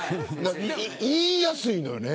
言いやすいのよね。